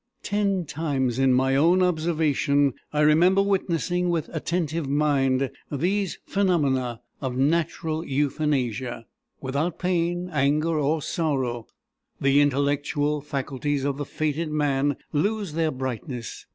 Ten times in my own observation I remember witnessing, with attentive mind, these phenomena of natural Euthanasia. Without pain, anger, or sorrow, the intellectual faculties of the fated man lose their brightness.